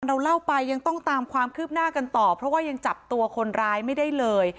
เราเล่าไปยังต้องตามความคืบหน้ากันต่อเพราะว่ายังจับตัวคนร้ายไม่ได้เลย